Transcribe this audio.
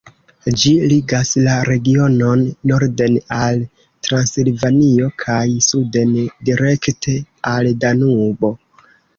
Ĝi ligas la regionon norden al Transilvanio kaj suden direkte al Danubo.